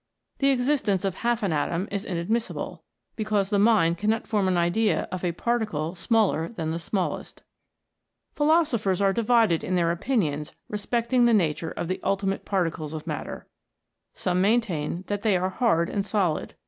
The existence of half an atom is inadmissible, because the mind cannot form an idea of a particle smaller than the smallest. Philosophers are divided in their opinions re specting the nature of the ultimate particles of mat ter : some maintain that they are hard and solid, F 66 A LITTLE BIT.